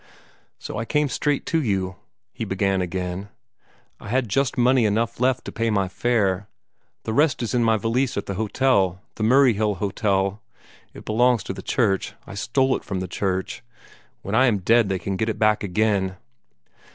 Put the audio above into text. "So I came straight to you," he began again. "I had just money enough left to pay my fare. The rest is in my valise at the hotel the Murray Hill Hotel. It belongs to the church. I stole it from the church. When I am dead they can get it back again!"